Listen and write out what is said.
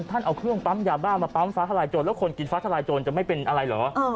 เอาเครื่องปั๊มยาบ้ามาปั๊มฟ้าทลายโจรแล้วคนกินฟ้าทลายโจรจะไม่เป็นอะไรเหรอ